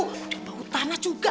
udah bau tanah juga